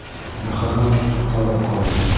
Мөхәммәт туҡталып ҡалды.